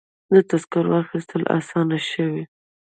د تذکرو اخیستل اسانه شوي؟